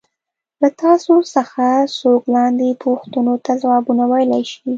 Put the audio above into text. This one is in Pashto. له تاسو څخه څوک لاندې پوښتنو ته ځوابونه ویلای شي.